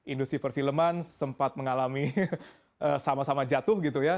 industri perfilman sempat mengalami sama sama jatuh gitu ya